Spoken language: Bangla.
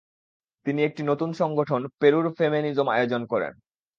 তিনি একটি নতুন সংগঠন "পেরুর ফেমেনিজম" আয়োজন করেন।